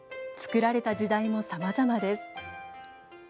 作られた時代もさまざまです。